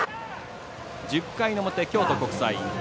１０回の表、京都国際。